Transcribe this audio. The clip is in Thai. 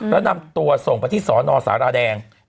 แล้วนำตัวส่งไปที่สนสาราแดง